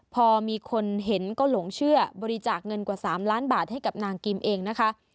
พอมีคนเห็นก็หลงเชื่อบริจาคเงินกว่า๓ล้านบาทให้กับนางกิมเองนะคะ